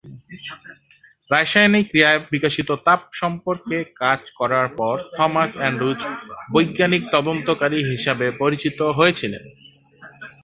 রাসায়নিক ক্রিয়ায় বিকাশিত তাপ সম্পর্কে কাজ করার পর থমাস অ্যান্ড্রুজ বৈজ্ঞানিক তদন্তকারী হিসাবে পরিচিত হয়েছিলেন।